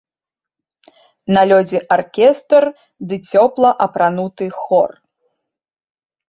На лёдзе аркестр ды цёпла апрануты хор.